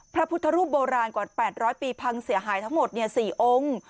พระพุทธรูปโบราณกว่า๘๐๐ปีพังเสียหายทั้งหมด๔องค์